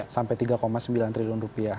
sampai tiga sembilan triliun rupiah